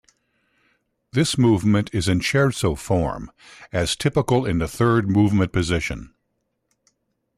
This movement is in scherzo form, as typical in the third movement position.